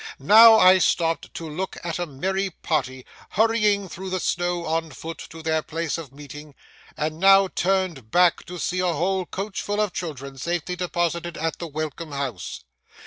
Now I stopped to look at a merry party hurrying through the snow on foot to their place of meeting, and now turned back to see a whole coachful of children safely deposited at the welcome house.